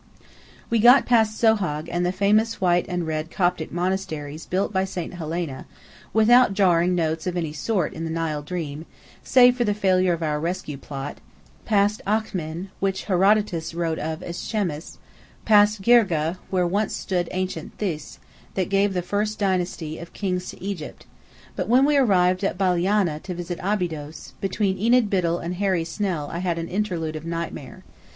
We got past Sohâg, and the famous White and Red Coptic Monasteries built by Saint Helena, without jarring notes of any sort in the Nile dream (save for the failure of our rescue plot): past Akhmin, which Herodotus wrote of as Chemmis: past Girgah, where once stood ancient This, that gave the first dynasty of kings to Egypt: but when we arrived at Baliana to visit Abydos, between Enid Biddell and Harry Snell I had an interlude of nightmare.